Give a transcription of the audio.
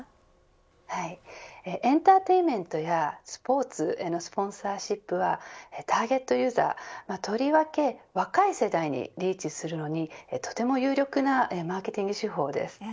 エンターテインメントやスポーツへのスポンサーシップはターゲットユーザーとりわけ若い世代にリーチするのにとても有力なマーケティング手法です。